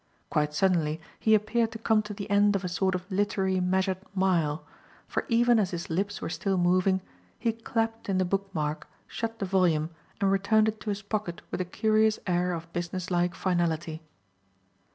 Quite suddenly he appeared to come to the end of a sort of literary measured mile, for even as his lips were still moving, he clapped in the book mark, shut the volume, and returned it to his pocket with a curious air of businesslike finality.